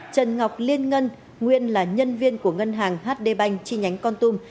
trần ngọc liên ngân nguyên là nhân viên của ngân hàng hd banh chi nhánh con tùm